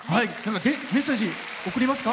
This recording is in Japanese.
メッセージ、送りますか。